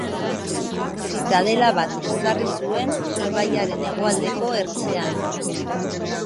Zitadela bat ezarri zuen ibaiaren hegoaldeko ertzean.